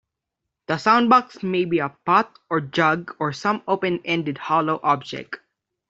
The sound box may be a pot or jug or some open-ended hollow object.